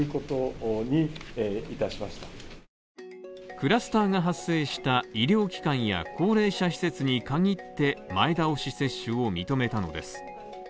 クラスターが発生した医療機関や高齢者施設に限って、前倒し接種を認めたのです。